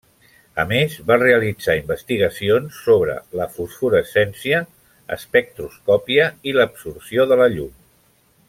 A més, va realitzar investigacions sobre la fosforescència, espectroscòpia i l'absorció de la llum.